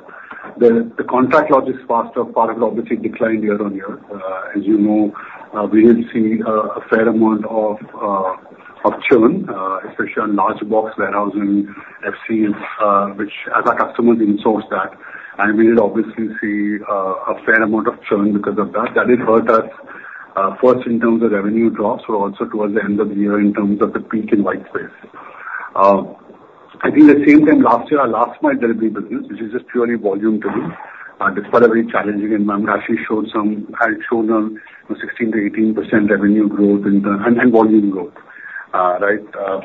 The contract logistics part of it obviously declined year-on-year. As you know, we did see a fair amount of churn, especially on large box warehousing, FCE, which, as our customers insource that. And we did obviously see a fair amount of churn because of that. That did hurt us first in terms of revenue drops, but also towards the end of the year in terms of the peak in white space. I think at the same time last year, our last mile delivery business, which is just purely volume to me. Despite a very challenging environment, I actually showed some had shown a 16%-18% revenue growth and volume growth.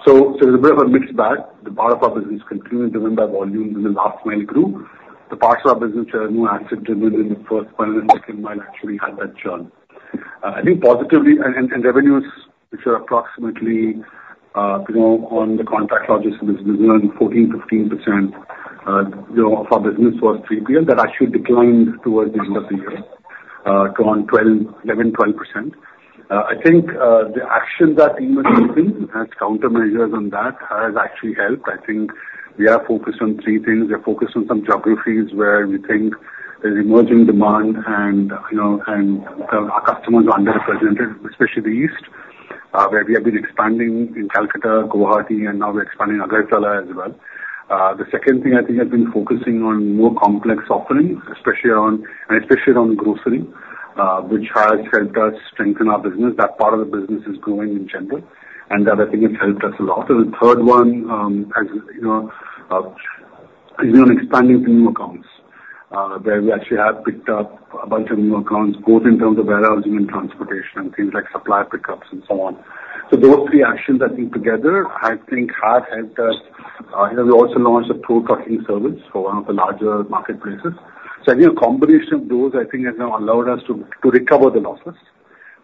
So there's a bit of a mixed bag. The part of our business continued to win by volume when the last mile grew. The parts of our business that are more asset-driven in the first mile and second mile actually had that churn. I think positively, and revenues, which are approximately on the contract logistics business, around 14%-15% of our business was 3PL that actually declined towards the end of the year to around 11%-12%. I think the action that team has taken, has countermeasures on that, has actually helped. I think we are focused on three things. We are focused on some geographies where we think there's emerging demand and our customers are underrepresented, especially the east, where we have been expanding in Kolkata, Guwahati, and now we're expanding Agartala as well. The second thing I think has been focusing on more complex offerings, especially around and especially around grocery, which has helped us strengthen our business. That part of the business is growing in general, and that I think has helped us a lot. And the third one has been on expanding to new accounts, where we actually have picked up a bunch of new accounts, both in terms of warehousing and transportation and things like supplier pickups and so on. So those three actions, I think together, I think have helped us. We also launched a pro-tracking service for one of the larger marketplaces. So I think a combination of those, I think, has now allowed us to recover the losses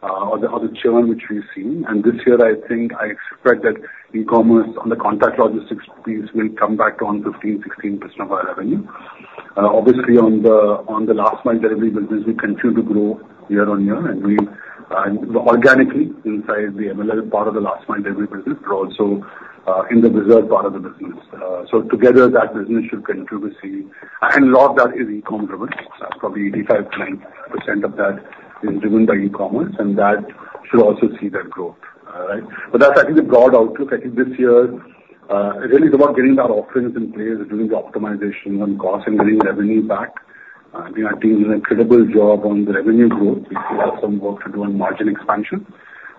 or the churn which we've seen. And this year, I think I expect that e-commerce on the contract logistics piece will come back to around 15%-16% of our revenue. Obviously, on the last mile delivery business, we continue to grow year-on-year, and we organically inside the MLL part of the last mile delivery business, but also in the Rivigo part of the business. So together, that business should continue to see, and a lot of that is e-com driven. Probably 85%-90% of that is driven by e-commerce, and that should also see that growth. But that's actually the broad outlook. I think this year, it really is about getting our offerings in place, doing the optimization on cost, and getting revenue back. I think our team did a credible job on the revenue growth. We still have some work to do on margin expansion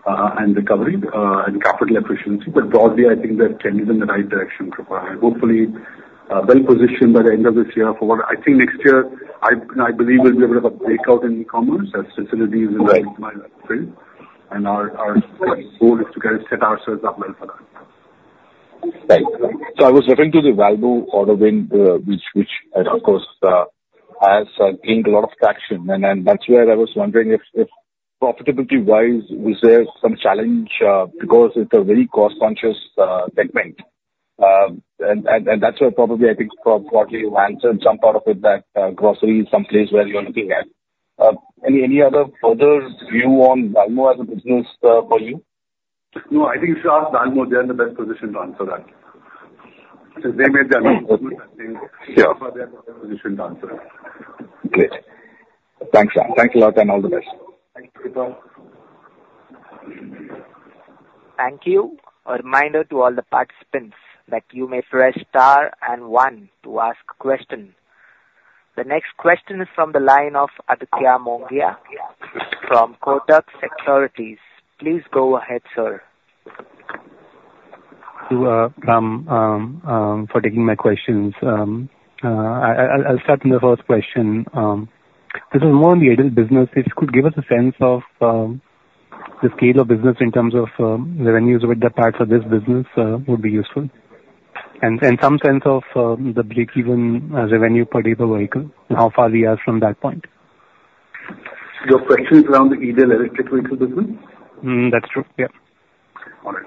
and recovery and capital efficiency. But broadly, I think we have tended in the right direction, Krupa. And hopefully, well positioned by the end of this year for what I think next year, I believe will be a bit of a breakout in e-commerce as facilities in the last mile space. And our goal is to kind of set ourselves up well for that. Right. So I was referring to the Valmo tailwind, which, of course, has gained a lot of traction. And that's where I was wondering if profitability-wise, was there some challenge because it's a very cost-conscious segment? And that's where probably I think Krupa probably answered some part of it, that grocery is someplace where you're looking at. Any other further view on Valmo as a business for you? No, I think if you ask Valmo, they're in the best position to answer that. They made their own business, I think. Krupa is in the best position to answer that. Great. Thanks, Ram. Thanks a lot, and all the best. Thank you, Krupa. Thank you. A reminder to all the participants that you may press star and one to ask questions. The next question is from the line of Aditya Mongia from Kotak Securities. Please go ahead, sir. Thank you, Ram, for taking my questions. I'll start with the first question. This is more on the edge of the business. If you could give us a sense of the scale of business in terms of revenues with the parts of this business, it would be useful. Some sense of the break-even revenue per day per vehicle and how far we are from that point. Your question is around the EDel electric vehicle business? That's true. Yeah. All right.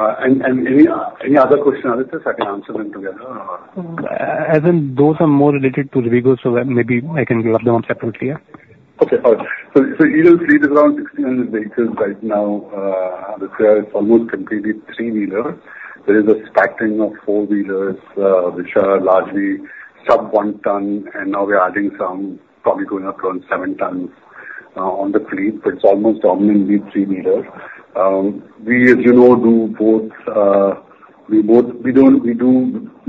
And any other questions, Aditya? So I can answer them together. As in those are more related to vehicles, so maybe I can grab them separately, yeah? Okay. All right. So EDel's fleet is around 1,600 vehicles right now. This year, it's almost completely three-wheelers. There is a stacking of four-wheelers, which are largely sub-one ton, and now we're adding some probably going up to around seven tons on the fleet, but it's almost dominantly three-wheelers. We, as you know, do both. We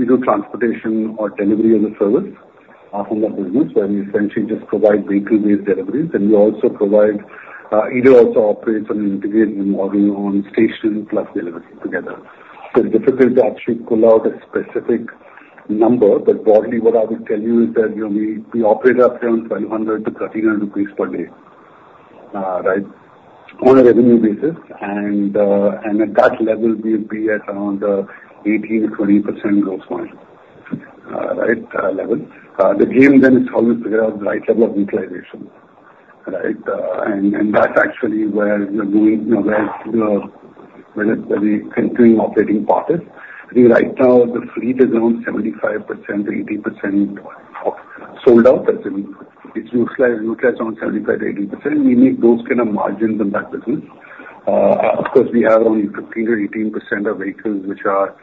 do transportation or delivery as a service from that business, where we essentially just provide vehicle-based deliveries. And we also provide. EDel also operates on an integrated model on station plus delivery together. So it's difficult to actually pull out a specific number, but broadly, what I would tell you is that we operate at around 1,200-1,300 rupees per day on a revenue basis. And at that level, we'll be at around 18%-20% growth point level. The game then is how we figure out the right level of utilization. That's actually where we're doing where the continuing operating part is. I think right now, the fleet is around 75%-80% sold out. It's utilized around 75%-80%. We make those kind of margins in that business. Of course, we have around 15%-18% of vehicles which are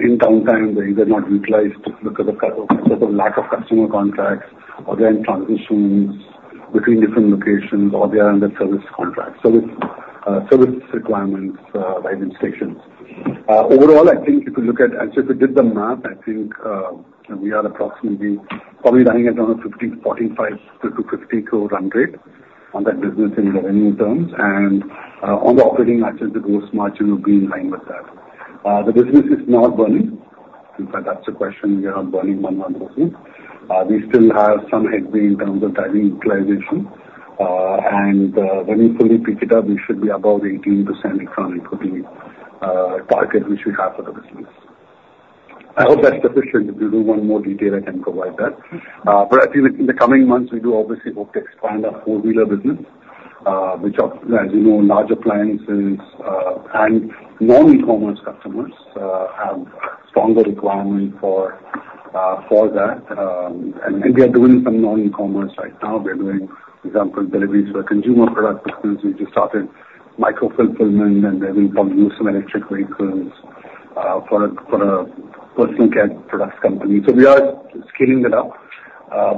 in downtime where they're not utilized because of lack of customer contacts or they're in transitions between different locations or they're under service contracts, service requirements by the stations. Overall, I think if you look at and so if you did the math, I think we are approximately probably running at around 145 crore-150 crore run rate on that business in revenue terms. And on the operating margin, the gross margin will be in line with that. The business is not burning. In fact, that's the question. We are not burning money on those things. We still have some headway in terms of driving utilization. When we fully pick it up, we should be about 18% accounting for the target which we have for the business. I hope that's sufficient. If you do want more detail, I can provide that. But I think in the coming months, we do obviously hope to expand our four-wheeler business, which, as you know, larger clients and non-e-commerce customers have stronger requirements for that. We are doing some non-e-commerce right now. We're doing, for example, deliveries for a consumer product business. We just started micro-fulfillment, and they're going to probably use some electric vehicles for a personal care products company. So we are scaling it up,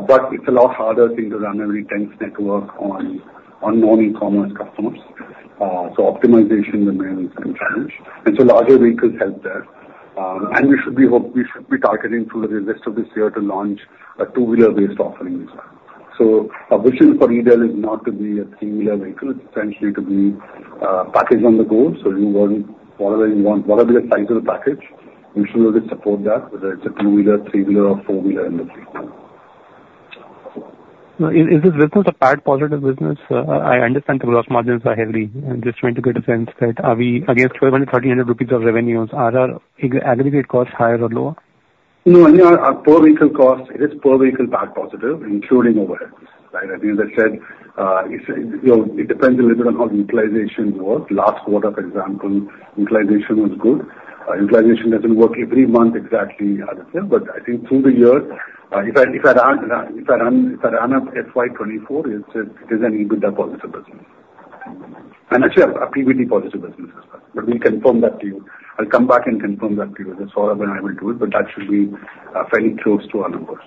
but it's a lot harder to run every dense network on non-e-commerce customers. So optimization remains a challenge. And so larger vehicles help there. And we should be targeting through the rest of this year to launch a two-wheeler-based offering as well. So our vision for EDel is not to be a three-wheeler vehicle. It's essentially to be packaged on the go. So whatever you want, whatever the size of the package, we should be able to support that, whether it's a two-wheeler, three-wheeler, or four-wheeler in the fleet. Is this business a PAT positive business? I understand the gross margins are heavy. I'm just trying to get a sense that are we against 1,200 rupees, INR 1,300 of revenues? Are our aggregate costs higher or lower? No, only our per vehicle cost. It is per vehicle PAT positive, including overhead. As I said, it depends a little bit on how utilization works. Last quarter, for example, utilization was good. Utilization doesn't work every month exactly, Aditya, but I think through the year, if I run FY 2024, it is an EBITDA positive business. And actually, a PBT positive business as well. But we'll confirm that to you. I'll come back and confirm that to you. That's all I will do, but that should be fairly close to our numbers.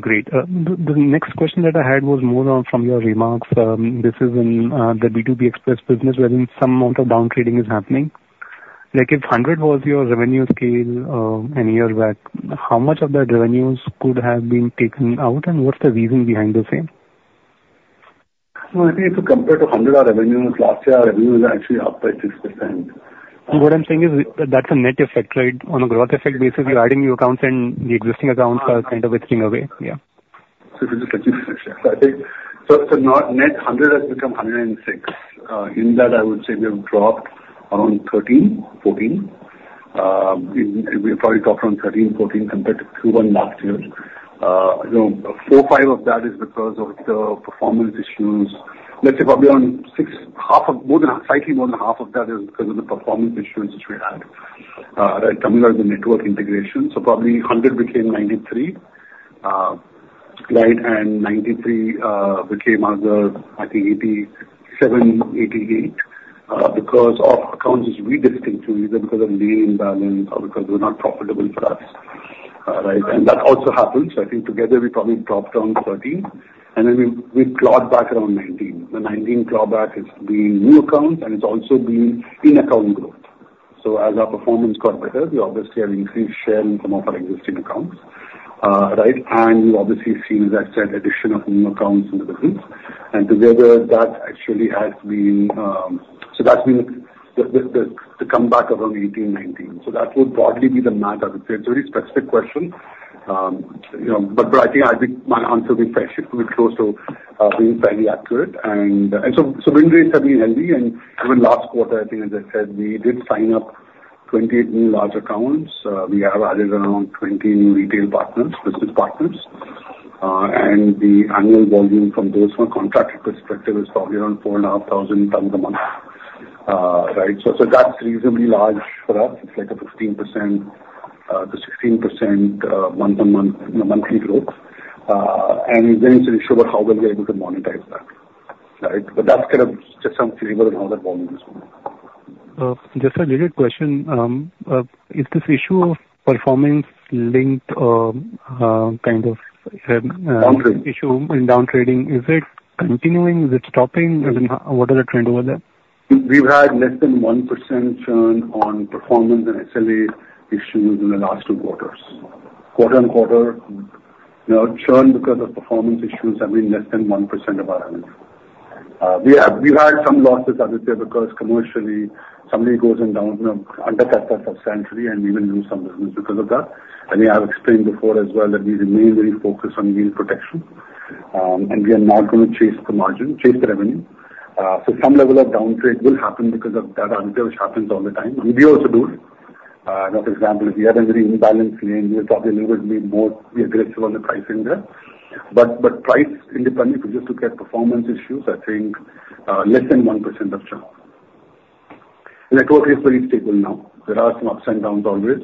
Great. The next question that I had was more from your remarks. This is in the B2B Express business where some amount of down trading is happening. If 100 was your revenue scale a year back, how much of that revenues could have been taken out, and what's the reason behind the same? I think if you compare to 100, our revenues last year, our revenues are actually up by 6%. What I'm saying is that's a net effect, right? On a growth effect basis, you're adding new accounts, and the existing accounts are kind of withering away. Yeah. So if you just let me finish. So net 100 has become 106. In that, I would say we have dropped around 13, 14. We have probably dropped around 13, 14 compared to Q1 last year. 4, 5 of that is because of the performance issues. Let's say probably around 6 more than slightly more than half of that is because of the performance issues which we had, coming out of the network integration. So probably 100 became 93, and 93 became other, I think, 87, 88 because of accounts which we distinctly either because of lien imbalance or because they were not profitable for us. And that also happened. So I think together, we probably dropped around 13, and then we clawed back around 19. The 19 clawback has been new accounts, and it's also been in-account growth. So as our performance got better, we obviously have increased share in some of our existing accounts. We've obviously seen, as I said, addition of new accounts in the business. Together, that actually has been so that's been the comeback around 18-19. That would broadly be the math. I would say it's a very specific question, but I think my answer will be fair. It will be close to being fairly accurate. Win rates have been healthy. Even last quarter, I think, as I said, we did sign up 28 new large accounts. We have added around 20 new retail partners, business partners. The annual volume from those from a contract perspective is probably around 4,500 tons a month. That's reasonably large for us. It's like a 15%-16% month-on-month monthly growth. And then it's an issue about how well we're able to monetize that. But that's kind of just some flavor on how that volume is moving. Just a little question. Is this issue of performance-linked kind of issue in down trading, is it continuing? Is it stopping? What are the trends over there? We've had less than 1% churn on performance and SLA issues in the last two quarters. Quarter on quarter, churn because of performance issues has been less than 1% of our revenue. We've had some losses, Aditya, because commercially, somebody goes and downright undercuts us on statutory, and we will lose some business because of that. I've explained before as well that we remain very focused on lane protection, and we are not going to chase the margin, chase the revenue. Some level of down trade will happen because of that, which happens all the time. We also do. For example, if we had a very imbalanced lane, we would probably a little bit be more aggressive on the pricing there. Price independent, if you just look at performance issues, I think less than 1% of churn. Network is pretty stable now. There are some ups and downs always.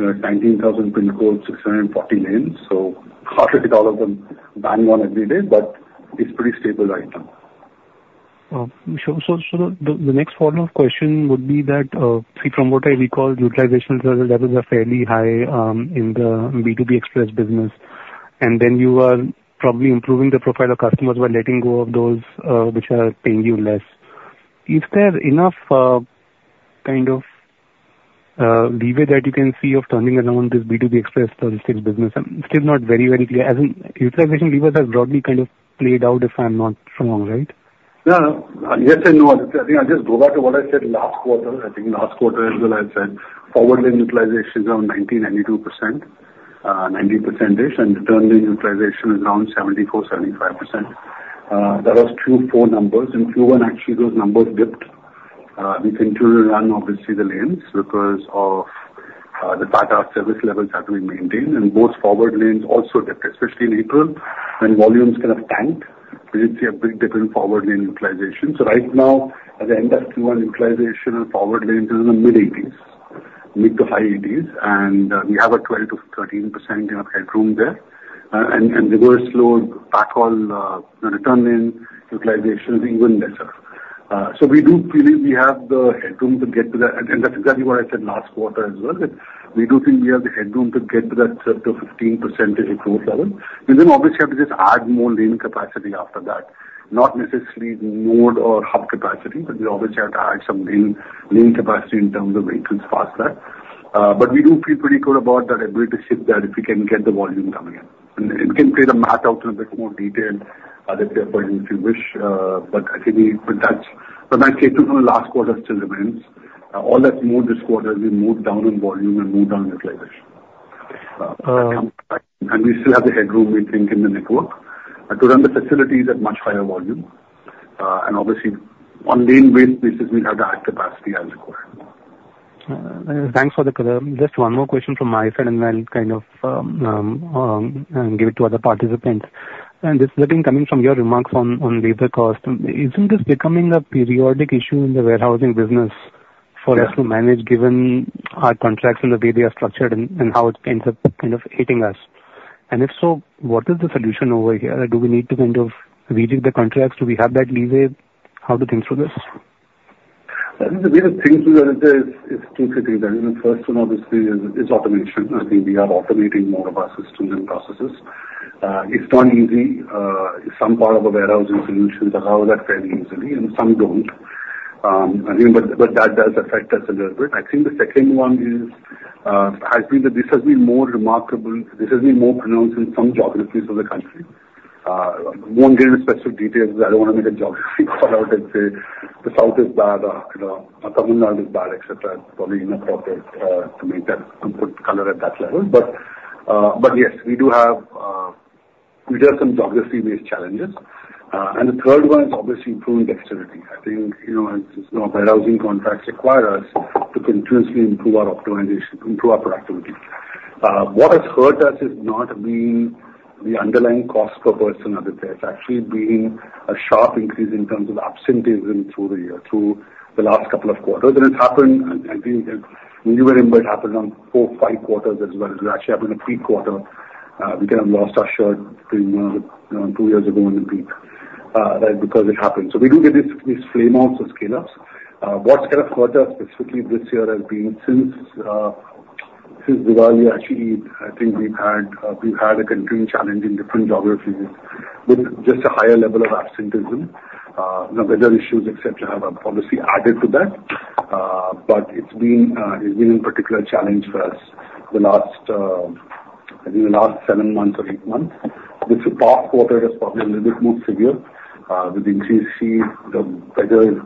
19,000 PIN codes, 640 lanes. So hard to hit all of them bang on every day, but it's pretty stable right now. The next follow-up question would be that, from what I recall, utilization levels are fairly high in the B2B Express business. And then you are probably improving the profile of customers by letting go of those which are paying you less. Is there enough kind of leeway that you can see of turning around this B2B Express logistics business? I'm still not very, very clear. Utilization levers have broadly kind of played out, if I'm not wrong, right? Yes and no. I think I'll just go back to what I said last quarter. I think last quarter, as well as I said, forward-lane utilization is around 90%-92%, 90%-ish. And return-lane utilization is around 74%-75%. That was Q4 numbers. In Q1, actually, those numbers dipped. We continued to run, obviously, the lanes because of the fact our service levels have to be maintained. And both forward lanes also dipped, especially in April when volumes kind of tanked. We did see a big dip in forward-lane utilization. So right now, at the end of Q1, utilization on forward lanes is in the mid-80s, mid- to high 80s. And we have a 12%-13% headroom there. And reverse load, backhaul, return-lane utilization is even lesser. So we do believe we have the headroom to get to that. And that's exactly what I said last quarter as well. We do think we have the headroom to get to that 10%-15% growth level. And then, obviously, we have to just add more lane capacity after that. Not necessarily node or hub capacity, but we obviously have to add some lane capacity in terms of vehicles past that. But we do feel pretty good about that ability to shift that if we can get the volume coming in. And we can play the math out in a bit more detail if you wish, but I think from that statement from the last quarter still remains. All that's moved this quarter, we moved down in volume and moved down in utilization. And we still have the headroom, we think, in the network. To run the facilities at much higher volume. Obviously, on lane-based basis, we have to add capacity as required. Thanks for the clear. Just one more question from my side, and then kind of give it to other participants. And just looking coming from your remarks on labor cost, isn't this becoming a periodic issue in the warehousing business for us to manage, given our contracts and the way they are structured and how it ends up kind of hitting us? And if so, what is the solution over here? Do we need to kind of redo the contracts? Do we have that leeway? How to think through this? The way to think through that is two things. I think the first one, obviously, is automation. I think we are automating more of our systems and processes. It's not easy. Some part of the warehousing solutions allow that fairly easily, and some don't. But that does affect us a little bit. I think the second one has been that this has been more remarkable. This has been more pronounced in some geographies of the country. I won't get into specific details. I don't want to make a geography call out and say the South is bad, Tamil Nadu is bad, etc. It's probably inappropriate to make that color at that level. But yes, we do have some geography-based challenges. And the third one is obviously improving dexterity. I think warehousing contracts require us to continuously improve our optimization, improve our productivity. What has hurt us is not being the underlying cost per person, Aditya. It's actually been a sharp increase in terms of absenteeism through the last couple of quarters. It's happened. I think we were in, but it happened around 4, 5 quarters as well. We were actually up in a peak quarter. We kind of lost our shirt 2 years ago in the peak because it happened. So we do get these flameouts or scale-ups. What's kind of hurt us specifically this year has been since Diwali, actually, I think we've had a continuing challenge in different geographies with just a higher level of absenteeism. Now, weather issues, etc., have obviously added to that. But it's been a particular challenge for us in the last 7 months or 8 months. This past quarter was probably a little bit more severe. With increased heat, the weather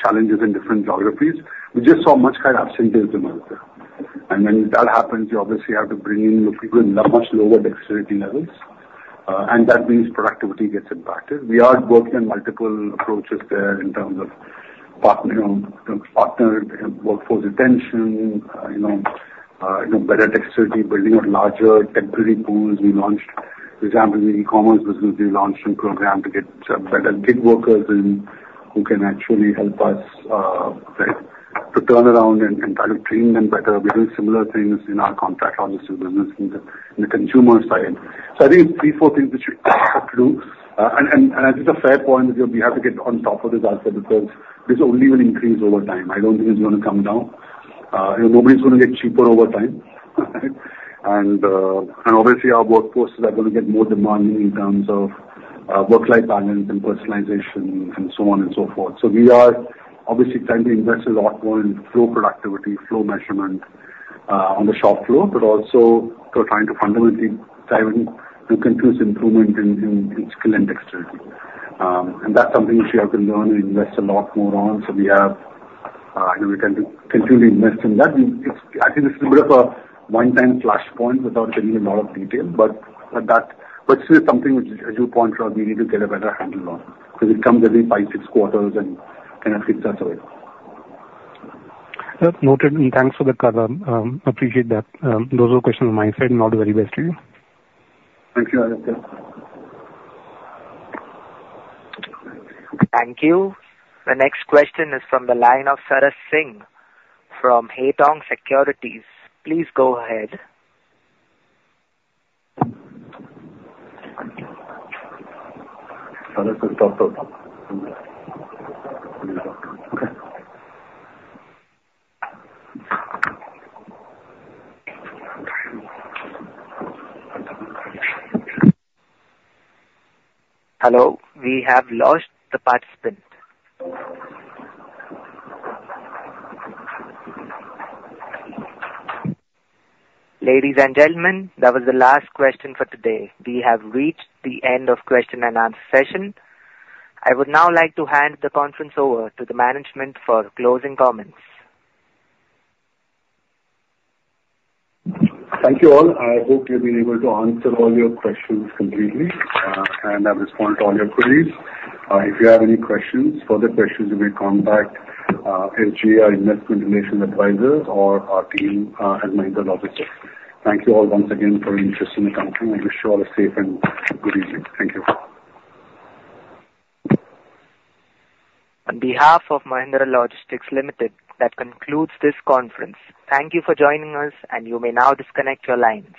challenges in different geographies. We just saw much higher absenteeism over there. And when that happens, you obviously have to bring in people with much lower dexterity levels. And that means productivity gets impacted. We are working on multiple approaches there in terms of partner workforce retention, better dexterity, building out larger tech gridding pools. We launched, for example, the e-commerce business. We launched a program to get better gig workers in who can actually help us to turn around and try to train them better. We're doing similar things in our contract logistics business in the consumer side. So I think it's three, four things that you have to do. And I think it's a fair point that we have to get on top of this also because this only will increase over time. I don't think it's going to come down. Nobody's going to get cheaper over time. And obviously, our workforces are going to get more demanding in terms of work-life balance and personalization and so on and so forth. So we are obviously trying to invest a lot more in flow productivity, flow measurement on the shop floor, but also trying to fundamentally drive in continuous improvement in skill and dexterity. And that's something which we have to learn and invest a lot more on. So we have to continue to invest in that. I think this is a bit of a one-time flashpoint without getting into a lot of detail, but still something which, as you point out, we need to get a better handle on because it comes every five, six quarters and kind of gets us away. That's noted. Thanks for the cover. Appreciate that. Those were questions on my side. All the very best to you. Thank you, Aditya. Thank you. The next question is from the line of Saras Singh from Haitong Securities. Please go ahead. Saras is there. Hello. We have lost the participant. Ladies and gentlemen, that was the last question for today. We have reached the end of question and answer session. I would now like to hand the conference over to the management for closing comments. Thank you all. I hope you've been able to answer all your questions completely, and I've responded to all your queries. If you have any questions, further questions, you may contact SGA Investor Relations Advisor or our team at Mahindra Logistics. Thank you all once again for your interest in our company. I wish you all a safe and good evening. Thank you. On behalf of Mahindra Logistics Limited, that concludes this conference. Thank you for joining us, and you may now disconnect your lines.